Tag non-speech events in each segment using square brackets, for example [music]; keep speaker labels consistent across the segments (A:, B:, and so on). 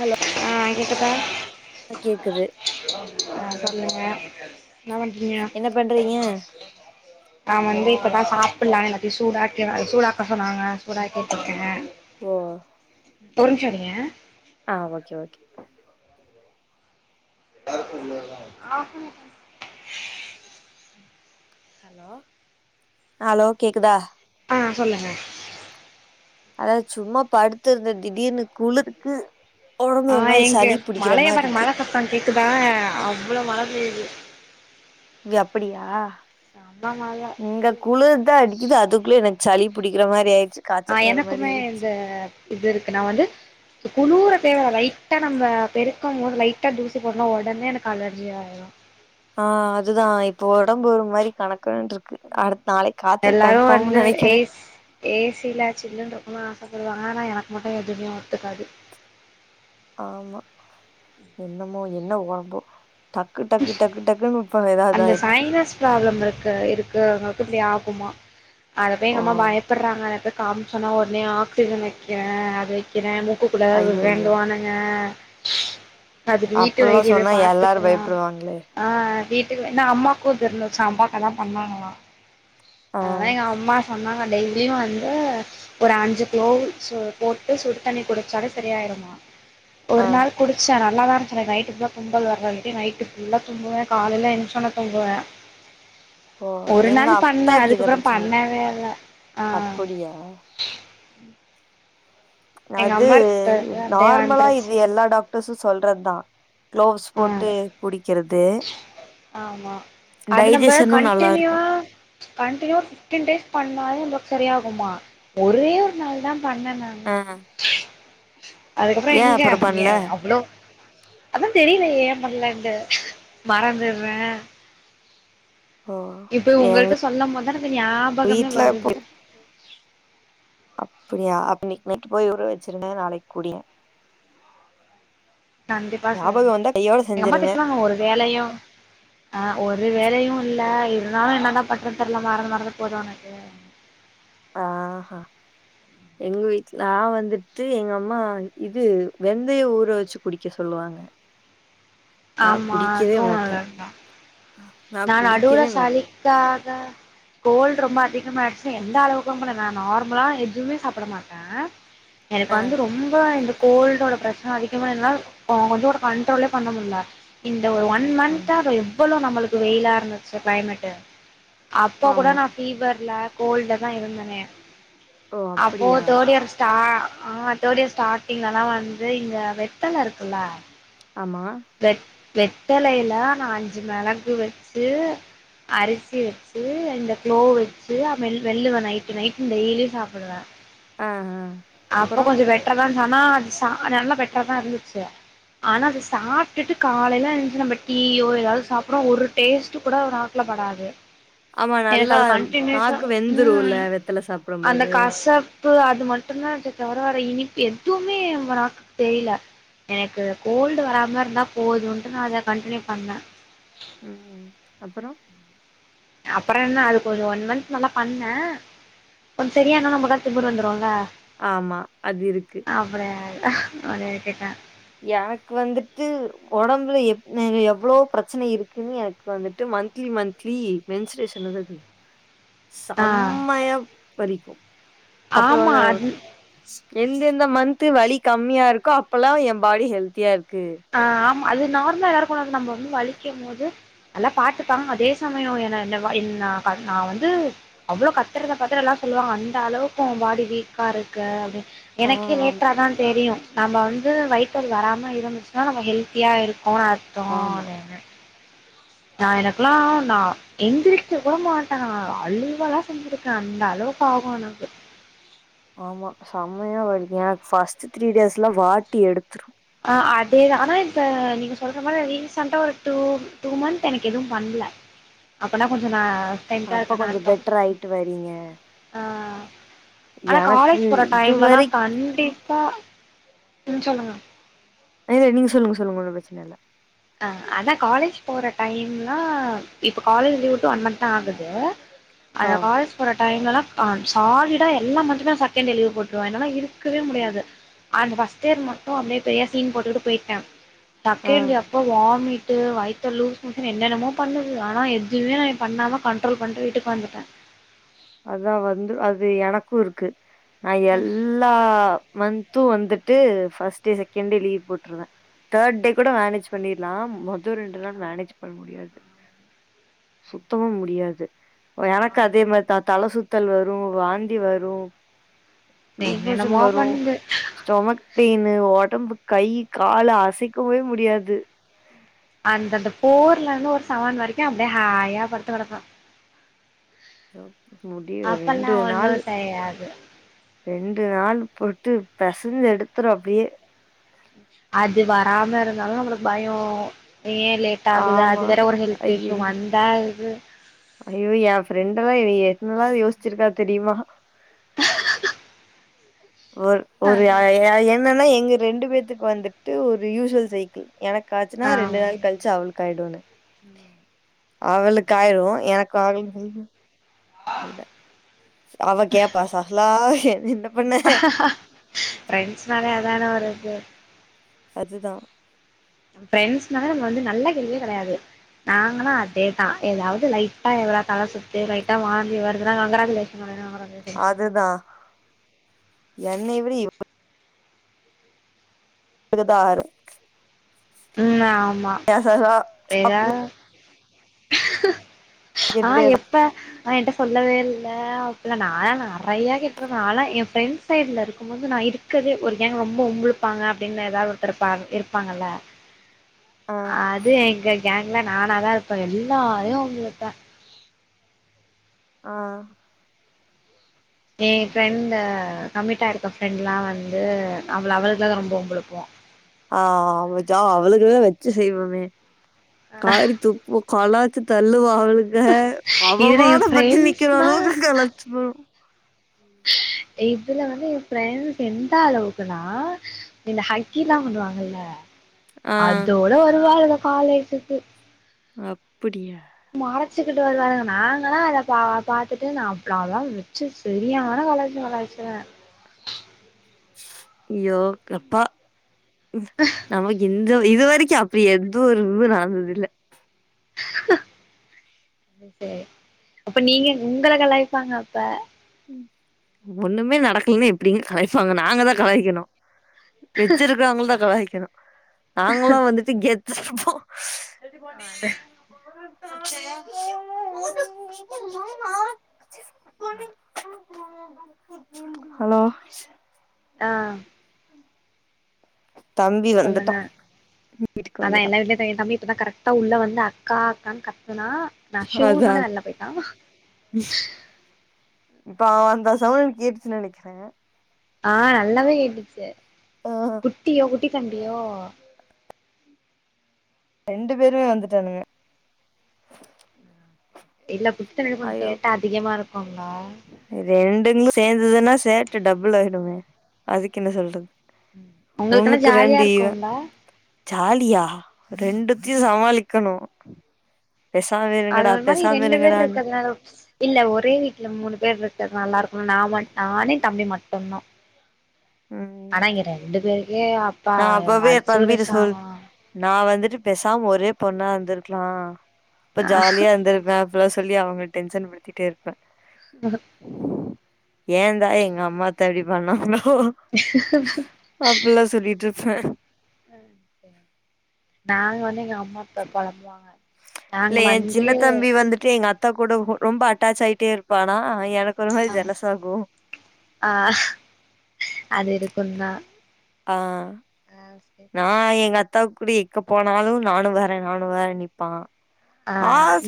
A: hello
B: ஆ கேக்குதா
A: ஆ கேக்குது
B: ஆ சொல்லுங்க என்ன பண்றீங்க
A: என்ன பண்றீங்க
B: நா வந்தே அப்பத்தா சாப்புல்லான்னு எல்லாத்தையு சூடாக்கி அத சூடாக்க சொன்னாங்க சூடாக்கிட்ருக்க
A: ஓ
B: ஒரு நிம்ஷோ இருங்க
A: ஆ ஓகே ஓகே
B: ஹலோ
A: ஹலோ கேக்குதா
B: ஆ சொல்லுங்க
A: அத சும்மா படுத்துருந்த திடீர்னு குளுருக்கு
B: ஆ எங்க மழையே பாருங்க மழ சத்தோங் கேக் ஊத்துதா அவ்ளோ மழ பேயிது
A: இங்க அப்டியா
B: மழ
A: இங்க குளுர்தா அடிக்குது அதுக்குள்ளயே எனக் சளி புடிக்கிற மாரி ஆயிர்
B: ஆ எனக்குமே இந்த இது இருக்கு நா வந்து குளுர தேவல லைட்டா நம்ம பெருக்குமா போது லைட்டா தூசி போன ஒடனே எனக்கு அலர்ஜி ஆயிரு
A: ஆ அதுதா இப்போ ஒடம்பு ஒரு மாரி கண
B: எல்லாரு
A: கன்ஃபார்ம்னு
B: வந்து
A: நெனைக்கிறே
B: ஏஸ் ஏசில சில்லுன்ட்ருக்கனுன் ஆச சொல்லுங்க ஆனா எனக்கு மட்டு எதுமே ஒத்துக்காது
A: ஆமா என்னமோ என்ன ஒடம்போ டக்கு டக்கு டக்கு டக்குனு ப
B: அந்த சைனஸ் பிராபுளம் இருக்குல இருக்குறவங்க இப்புடி ஆகுமா அத போய்
A: ஓ
B: எங்க அம்மா பயப்படுறாங்க நறையா பேர் காமிச்சொன்னா ஒடனே ஆக்சிஜன் வெக்கிற அத வெக்கிற மூக் மூக்குல
A: ஐயோ ஐயோ
B: வேங்குவானுங்க அதுக்கு வீட்டு
A: அப்பல்லா
B: வைத்தியமே
A: சொன்னா எல்லாரு
B: பாத்துக்கலாம்
A: பயப்படுவாங்களே
B: ஆ வீட் ட்டில்ல ஏன்னா அம்மாக்கு இது இருந்துச்சா அம்மாக்கு அதா பண்ணாங்களா
A: ஆ
B: அதுலா எங்க அம்மாஸ் சொன்னாங்க டெய்லியு வந்து ஒரு அஞ்சு குளோவுஸ்சு போட்டு சுடு தண்ணி குடுச்சாலே செரியாயிருமா
A: ஆ
B: ஒரு நாள் குடுச்ச நா நல்லாதா இருன்ச்சு எனக் நைட்டு ஃபுல்லா தும்மல் வேற வந்துட்டு நைட்டு ஃபுல்லா தும்புவே காலைல எந் ரிச்சோன தும்புவே
A: ஓ
B: ஒரு
A: எங்க
B: நாள் பண்ணே
A: அத்தாக்கு இத
B: அதுக்கப்றோ
A: பிரச்சன இருக்கு
B: பண்ணவே இல்ல ஆ ம்
A: அப்படியா அது
B: அப்டியே
A: நார்மலா இது
B: வந்துருச்சு
A: எல்லா டாக் டர்ஸு சொல்றத்தா க்ளோஸ்
B: ஆ
A: போட்டு குடிக்கிறது
B: ஆமா அது நம்ம
A: டைஜஷனு நல்லா இருக்கு
B: கண்டினியூவா கண்டினியூவ ஃபிஃப் டீன் டேஸ் பண்ணாலு அந்த சரியாகுமா ஒரே ஒரு நாள் தா பண்ண நானு
A: ஆ
B: அதுக்கப்ற
A: ஏ
B: எங்க
A: அப்புற பண்ல
B: அவ்ளோ அதா தெரியல ஏ பண்லன்ட்டு மறந்து ருவே
A: ஓ
B: இப்பய்
A: எங்க
B: உங்கள்ட்ட சொல்லம் போதா எனக்கு ஞாபகமே
A: வீட்ல
B: வருது
A: அப்புடியா அப்ப இன்னக்கி நைட்டு போய் ஊற வச்சிருங்க நாளைக் குடிங்க
B: கண்டிப்பா
A: ஞாபக
B: செய்யனு
A: வந்தா கையோட
B: எங்கம்மா
A: செஞ்சிருங்க
B: திட்டுவாங்க ஒரு வேலையு அ ஒரு வேலையு இல்ல இருந்தாலு என்னதா பண்றன் தெர்ல மறந்து மறந்து போது ஒனக்கு
A: ஆஹா எங்க வீட்லா வந்துட்டு எங்க அம்மா இது வெந்தய ஊற வச்சு குடிக்க சொல்லுவாங்க நா
B: ஆமா
A: குடிக்கவே
B: அதுவு
A: மாட்டே
B: நல்லதுதா நா நடுவுல
A: குடிக்கவே மாட்டே
B: சளிக்காக கோல்டு ரொம்ப அதிகமாயிட்ச்சு எந்த அளவுக்குமுல்ல நா நார்மலா எதுவ்மே சாப்புட மாட்டே எனக்கு
A: ஆ
B: வந்து ரொம்ப இந்த கோல்டோட பிரச்சன அதிகமா இருந்தா ஓ கொஞ்சோட கண்ட்ரோலே பண்ண முல்ல இந்த ஒரு ஒன்
A: ஆஹா
B: மன்தா அத எவ் ளதா நம்மளுக் கு வெயிலா இருந்து‌ச்சு கிளைமேட்டு அப்ப கூட
A: ஆமா
B: நா ஃபீவர்ல கோல்ட்லதா இருந்தனே
A: ஓ அப்படியா
B: அப்போவு தோடி அரச்ட்டா ஆஹ் அத்தோடிய ஸ்டார்டிங்லல்லாம் வந்து இங்க வெத்தலை இருக்குல்ல
A: ஆமா
B: வெத்தலையில் நான் அஞ்சு மிளகு வச்சு அரிசி வச்சு அந்த கு்ளோ வச்சு மெல்லுவேன் நைட்டு நைட்டு டெய்லியும் சாப்பிடுவேன்
A: ஆ ஆ
B: அப்போ
A: அப்புறோ
B: கொஞ்ச பெட்டெர் ஆ ஆனா அது நல்லா பெட்டர் தான் இருந்துச்சு ஆனா அது சாப்ப சாப்பிட்டுட்டு காலையில எழுந்துருச்சு நம்ம டீயோ ஏதாவது சாப்பிடோம் ஒரு டேஸ்ட் கூட ஒரு நாக்குல படாது
A: ஆமா
B: எனக்கு
A: நல்லா
B: அது கண்டினியூஸா
A: நாக்கு
B: ம்
A: வெந்துரும்ல வெத்தலை சாப்பிடும் போது
B: இப்போ அது மட்டும்தான் வர வர இனிப்பு எதுவுமே ந நாக்குக்கு தெரியல எனக்கு கோல்டு வராமா இருந்தா போதும்ன்ட்டு நான் அதை கன்டினியூ பண்ணேன்
A: உம் அப்புறம்
B: அப்புறம் என்ன அதுக் கொஞ்ச ஒன் மந்த் நல்லா பண்ணேன் கொஞ்சம் சரியான நம்மக்கு திமிருவந்துரும்ல
A: ஆமா அது இருக்கு
B: அது கேட்டா
A: எனக்கு வந்துட்டு உடம்புல எ எவ்வளோ பிரச்சனை இருக்குன்னு எனக்கு வந்துட்டு மந்த்த்லிமந்த்த்லி மென்சரேஷன் அது
B: ஆ
A: செம்மைய வலிக்கும்
B: ஆமா
A: அப்ப
B: அது
A: எந்தெந்த மந்த்து வலி கம்மியா இருக்கோ அப்போல்லாம் என் பாடி ஹெல்த்தியா இருக்கும்
B: ஆஹ் ஆமா அது நார்மலா எல்லாருக்கும் உள்ளது நம்ம வந்து வலிக்கும் போது நல்லா பாத்துப்பாங்க அதே சமயம் ஏ என்ன என் நான் வந்து அவ்வளோ கத்துறத பாத்துலாம் சொல்லுவாங்க அந்த அளவுக்கும் பாடி வீக்காக இருக்கு அது
A: ஆ
B: எனக்கே
A: ஆமா
B: லேட்டரா தான் தெரியும் நம்ம வந்து வயித்து வலி வராம இருந்துச்சுனா ஆ நம்ம ஹெல்த்தியா இருக்கும் இருக்கோம்னு
A: ஆமா
B: அர்த்தம் நான் எனக்கெல்லாம் நான் எந்திரச்ச கூட மாட்டேன் நான் அழுவல்லாம் செஞ்சிருக்கேன் அந்த அளவுக்கு ஆகும் எனக்கு
A: ஆமா செமையா வலிக்கும் பஃஸ்ட் த்ரீ டேஸ்லாம் வாட்டி எடுத்துரும்
B: அதேதான் இப்ப நீங்க சொல்ற மாதிரி ரிசென்ட் அ டூ மந்த் அ எனக்கு எதுவும் பண்ணல அப்பனா கொஞ்சம் ந ஹெல்த்தி ஆஹ்
A: அப்ப
B: இருக்கேனு
A: கொஞ்சோ
B: அர்த்தம்
A: பெட்டர் ஆயிட்டு வரீங்க
B: ஆனா
A: எனக்கு
B: காலேஜ் போற
A: இதுவரை
B: டைம்லாம் கண்டிப்பா உம் சொல்லுங்க
A: இல்ல நீங்க சொல்லுங்க சொல்லுங்க ஒண்ணும் பிரச்சனை இல்ல
B: அஹ் அதான் காலேஜ் போற டைம்லாம் இப்ப காலேஜ் லீவ்விட்டு ஒன் மந்த்த் தான் ஆகுது
A: ஆ
B: அந்த காலேஜ் போற டைம்லலாம் ம்சாலிடா எல்லா மந்தமே செகண்ட் டே லீவு போட்டுருவவேன் அதனால இருக்கவே முடியாது அந்த ஃபர்ஸ்ட் இயர் மட்டும் அப்படியே பெரிய சீன் போட்டுட்டு போயிட்டேன்
A: ஆ
B: தக்கே அப்ப வாமிட்டு வயத்த லூஸ் மோஷன் என்னென்னமோ பண்ணுது ஆனா எதுவுமே நான் பண்ணாம கண்ட்ரோல் பண்ணிட்டு வீட்டுக்கு வந்துட்டேன்
A: அதா வந்து அது எனக்கு இருக்கு நா எல்லா மந்த்தூ வந்துட்டு டே ஃபஸ் டே செகெண்ட் டே லீவ் போட்டுருவே தேர் டே கூட மேனேஜ் பண்ணிடலா மொத ரெண்டு நாள் மேனேஜ் பண்ண முடியாது சுத்தமா முடியாது ஓ எனக்கோ அதே மாரி தலசுத்தல் வரு வாந்தி வரு லூஸ் மோஷன்
B: என்னென்னமோ
A: வரு
B: பண்ணுது
A: ஸ்டொமக் பெயின்னு ஒடம்பு கை காலு அசைக்கவே முடியாது
B: அந்தந்த போர்லயிருந்து ஒரு சவன் வரைக்கோ அப்டியே ஹாயா படுத்து கெடப்பே
A: முடி ஒரு
B: அப்பெல்லா
A: ரெண்டு
B: ஒன்னோ
A: நாளு
B: செய்யாது
A: ரெண்டு நாள் போட்டு பெசஞ்சு எடுத்துரு அப்டியே
B: அது வராம இருந்தாலு நம்மளுக்கு பயோ ஏ லேட் ஆகுது
A: ஆமா
B: அது வேர ஒரு ஹெல்த் ஸ்ஷு வந்தா இது
A: அய்யயோ என் ஃப்ரெண்டெல்லா எத்தன நாள் யோசிச்சிருக்கா தெரியுமா ஒரு ஒரு என்னன்னா எங்க ரெண்டு பேத்துக்கு வந்துட்டு ஒரு யூஸ்வல் சைக்கிள் எனக்கு ஆச்சுன்னா
B: ஆ
A: ரெண்டு நாள் கழிச்சு அவளுக்கு ஆயிடோன்னு அவளுக்காயிறு எனக்கு ஆகல அவ கேப்பா சஹலா கெவிண்ணோ
B: ஹாஹாஹா ப்ரெண்ட்ஸ்னாலே அதான ஒரு இது
A: அதுதா
B: ஃப்ரெண்ட்ஸ்னாலே அவுங்க வந்து நல்ல புள்ளயே கெடயாது நாங்கன்னா அதேதா எதாவது லைட்டா எதா தல சுத்து லைட்டா வாந்தி வருதுனா கங்கிராஜூலேஷன் அப்டின்னுவாங்க கங்கிரேசன்ஸ் சொல்லிரோ
A: என்ன இவரு டியோ குருதார்
B: உம் நா
A: கசசா [unintelligible]
B: எதா [inaudible] ஆ
A: கேட்டுட்டே
B: எப்ப ஆ என்ட்ட சொல்லவே இல்ல அப்பல்லா நாலா நெறய கேட்டுருப்பே ஆனா என் ஃப்ரெண்ட் சைடு்ல இருக்கும்போது நா இருக்கதே ஒரு கேங் ரொம்ப ஒம்பிழுப்பாங்க அப்டின்னு எதாவது ஒரு கடுப்பா இருப்பாங்கல்ல
A: ஆ
B: அது எங்க கேங்ல நானாதான் இருப்பேன் எல்லாரையும் வம்பிழுப்பேன்
A: ஆ
B: என் ஃப்ரெண்ட் கமிட்டாயிருக்க ஃப்ரெண்ட்லாம் வந்து அவள அவளதான் ரொம்ப வம்பிழுப்போம்
A: ஆ அதா அவளுக்கலதான் வெச்சு செய்வோமே காரி துப்புவோம் கலாய் த்தள்ளுவா அவளுக்கு
B: இதுல
A: அவமான
B: என்
A: பற்றி நிக்கிற
B: ஃப்ரெண்ட்ஸ்னா
A: அளவுக்கு கலாச்சுவோம்
B: இதுல வந்து என் ஃப்ரெண்டஸ் எந்த அளவுக்குன்னா இந்த ஹக்கில்லாம் பண்ணுவாங்கல்ல
A: ஆ
B: அதோட வருவாள்க காலேஜுக்கு
A: அப்படியா
B: அழைச்சுக்கிட்டு வருவாளுங்க நாங்கலாம் அதை பா பாத்துட்டு நான் அப்பறல்லாம் வெச்சு சரியான கலாச்சு கலாச்சிருவேன்
A: ஐய்யோ எப்பா நம்மளுக்கு இந்த இது வரைக்கும் அப்படி எதுவும் ஒரு இது நடந்தது இல்ல
B: அது செ அப்ப நீங்க உங்கள கலாய்ப்பாங்க அப்ப
A: ஒன்னுமே நடக்கலன்னு எப்படிங்க கலாய்ப்பாங்க நாங்கதான் கலாய்கணும் வெச்சிருக்கரவங்கள தான் கலாய் க்கணும் நாங்களாம் வந்துட்டு கெத் ரெஸ்ட் ரூம் போ
B: அதான்
A: அட்சயா [inaudible]
B: ம்
A: ஹலோ
B: ஆ
A: தம்பி வந்துட்டா
B: சொல்லுங்க
A: வீட்டுக்கு
B: அதான்
A: வந்துட்டா
B: எல்லா [unintelligible] தம்பி இப்பதான் கரெக்ட்டா உள்ள வந்து அக்கா அக்கான்னு கத் துன்னா நான்
A: அதா
B: ஷூனோனே வெள்ள போயிட்டான்
A: இப்ப அவ அந்த சவுண்டு கேட்டுச்சுன்னு நெனைக்குறேன்
B: ஆ நல்லாவே கேட்டுச்சு
A: ஆ
B: குட்டியோ குட்டி தண்டியோ
A: ரெண்டு பேருமே வந்துட்டானுங்க
B: இல்ல பு [unintelligible] கொஞ்
A: ஐயோ
B: சேத்தா அதிகமா இருக்குங்களா
A: ரெண்டுங்களு சேந்ததுன்னா சேட்ட டபுள் ஆயிடுமே அதுக்கு என்ன சொல்றது
B: உங்களுக்கு என்ன
A: ஒண்ணுக்கு
B: ஜாலியா
A: ரெண்டு ஈவன்
B: இருக்கும்ல
A: ஜாலியா ரெண்டுத்தையு சமாளிக்கணு பேசாம
B: அது
A: இருங்கடா
B: ஒரு மாரி
A: பேசாம
B: ரெண்டு பேர்
A: இருங்கடான்னு
B: இருக்குறதுனால இல்ல ஒரே வீட்ல மூணு பேர் இருக்கறது நல்லாருக் கு நா மட் நானு எ தம்பி மட்டுந்தா
A: ம்
B: ஆனா இங்க ரெண்டு பேரு ஏ அப்பா
A: நா அப்பவே எ
B: அடுச்சு விட சாவா
A: பேசாம் ஒரே பொண்ணா இருந்துருக்கலா அப்போ ஜாலியா இருந்துருக்கலா இப்டியெல்லா சொல்லி அவங்கள டென்சன் படுத்திட்டே இருப்ப
B: அஆ
A: ஏந்தா எங்க அம்மாதா அப்டி பண்ணாங்களோ கோ அப்பல்லா சொல்லிப் ட்ருஃப்ப
B: ஆ சேரி நாங்க வந்தா எங்க அம்மா அப்பா பொழம்புவாங்க
A: இல்ல எ சின்ன தம்பி வந்துட்டு எங்க அத்தா கூட ஹோ ரொம்ப அட்டாச் ஆயிட்டே இருப்பானா எ
B: ஆ ஆ அது இருக் குந்தா
A: ஆ நா எங்க அத் அத்தாவுக் குடி எக்க போனாலு நானு வர நானு வரன் நிப்பா
B: ஆ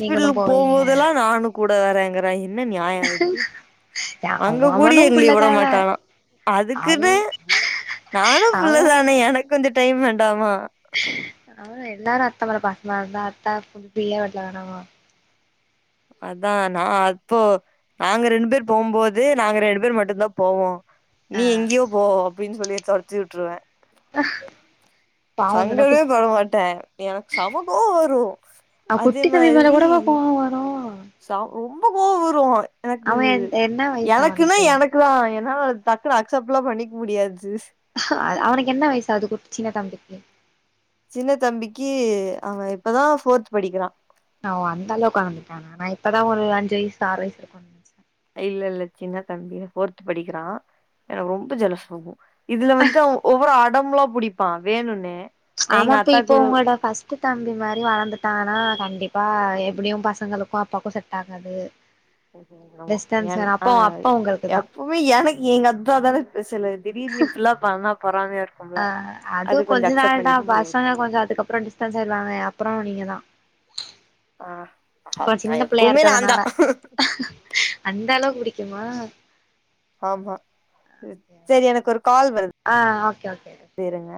B: நீங்களு போவீங்க
A: போம்தெல்லா நானு கூட கூட வரங்குறா இர் என்ன நியாயோ இது
B: அவ
A: அங்க கூடி
B: அவனு
A: எங்ளிய உட
B: புள்ளதான
A: மாட்டானா
B: அவ
A: அதுக்குன்னு நானு புள்ளதானே எனக் கொஞ்சோ டைம் வேண்டாமா
B: அ எ ல்லாரு அத்த மேல பாசமா இருந்தா அத்தா கொஞ்ச [unintelligible] வேணாமா
A: அதா நா அப்போ நாங்க ரெண்டு பேர் போவும்போது நாங்க ரெண்டு பேர் மட்டுந்தா போவோ நீ எங்யோ போ அப்டின் சொல்லி தொரத்தி வுட்ருவே
B: பாவம் தான
A: சங்கடமே
B: குட்
A: பட மாட்டே எனக்கு செம கோவ வரு
B: அவ
A: அதே
B: குட்டி தம்பி மேல
A: மாதிரி
B: கூடவா கோவோ வரு
A: ச ரொம்ப கோவ வரு எனக்கு
B: அவ என்ன வயசு
A: எனக்குன்னே
B: அவனுக்கு
A: எனக்கு தா என்னா டக்குனு அக்சப்லா பண்ணிக்க முடியா
B: அவனுக்கு என்ன வயசாது குட் சின்னதம்பிக்கு
A: சின்ன தம்பிக்கு அவெ இப்பதா ஃபோர்த்து படிக்கிறா
B: அவ அந்த அளவ்க்கு வளந்துட்டானா நா இப்பதா ஒரு அஞ்சு வயசு ஆறு வயசு இருக்குன் நெனச்சே
A: இல்லெல்ல சின்ன தம்பி ஃபோர்த்து படிக்கிறா எனக்கு ரொம்ப ஜெலசாகு இதுல வந்துட்டு அவ ஒவ்வொரு அ டம்லா புடிப்பா வேணுன்னே நா
B: ஆமா
A: எங்க
B: இப்ப
A: அத்தா
B: இப்போ
A: கூட
B: உங்களோட ஃபர்ஸ்ட்டு தம்பி மாரி வளந்துட்டானா கண்டிப் பா எப்புடியு பசங்களுக்கு அப்பாக்கு செட் ஆகாது
A: ம் ஹும் என்னமோ
B: டிஸ்டன்ஸ்
A: என்
B: வேணு
A: ஆ
B: அப்போ அப்போ உங்களுக்கு
A: எப்பவு எனக் கு எங்கத்தா தானெ பெரு இருக்கும்ல
B: அ
A: அது
B: அதுவு
A: கொஞ்சோ
B: கொஞ்ச
A: அக்செப்ட்
B: நாள் தா
A: பண்ணிக்க முடியாது
B: பசங்க கொஞ்ச அதுக்கப்றொ டிஸ்டன்ஸ் ஆயிர்வாங்க அப்றோ நீங்க தா
A: ஆ
B: இப்ப
A: அத்தா
B: சின்ன பிள்ளையா
A: எப்பவ்மே நாந்தா
B: இருக்கறதுனால டிக்குமா
A: ஆமா சேரி எனக்கு ஒரு கால் வருது
B: ஆ ஓகே ஓகே
A: இருங்க